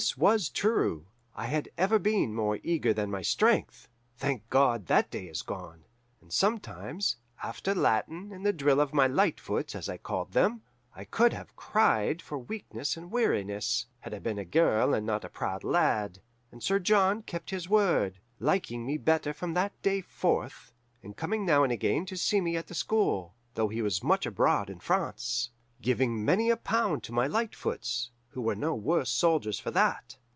"This was true. I had ever been more eager than my strength thank God, that day is gone! and sometimes, after Latin and the drill of my Lightfoots, as I called them, I could have cried for weakness and weariness, had I been a girl and not a proud lad. And Sir John kept his word, liking me better from that day forth, and coming now and again to see me at the school, though he was much abroad in France giving many a pound to my Lightfoots, who were no worse soldiers for that.